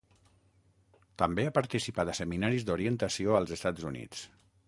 També ha participat a seminaris d'orientació als Estats Units.